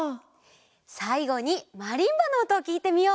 さいごにマリンバのおとをきいてみよう！